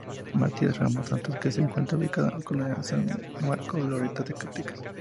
Matias Ramos Santos que se encuentra ubicada en la colonia San Marcos, Loreto, Zacatecas.